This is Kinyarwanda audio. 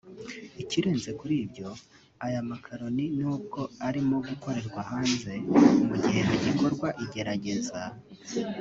Ikirenze kuri ibyo aya makaroni n’ubwo arimo gukorerwa hanze mu gihe hagikorwa igerageza